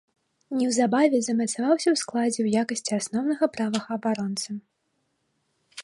Неўзабаве замацаваўся ў складзе ў якасці асноўнага правага абаронцы.